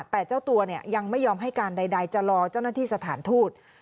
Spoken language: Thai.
แต่เจ้าตัวยังไม่ยอมให้การใดจะรอเจ้าหน้าที่สถานทูต